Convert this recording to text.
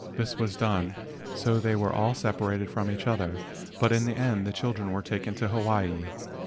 This was done. So they were all separated from each other, but in the end the children were taken to Hawaii.